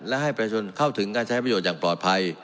และให้ประชาชนเข้าถึงการใช้ประโยชน์อย่างปลอดภัย